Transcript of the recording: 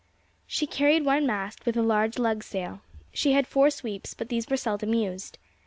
She carried one mast, with a large lug sail. She had four sweeps, but these were seldom used.